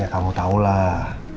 ya kamu tau lah